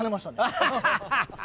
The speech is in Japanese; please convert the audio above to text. アハハハハ！